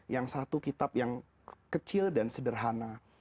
yang satu kitab yang kecil dan sederhana